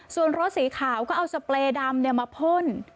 ส่วนรถสีขาวก็เอาสเปรย์ดำมาพ่น